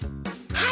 はい！